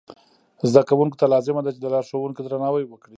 زده کوونکو ته لازمه ده چې د لارښوونکو درناوی وکړي.